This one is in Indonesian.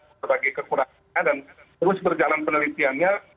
berbagai kekurangannya dan terus berjalan penelitiannya